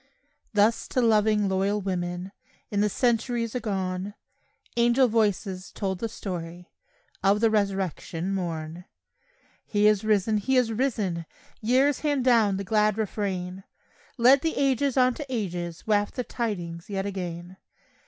Thus to loving, loyal women, In the centuries agone, Angel voices told the story Of the resurrection morn. He is risen! He is risen! Years hand down the glad refrain; Let the ages on to ages Waft the tidings yet again.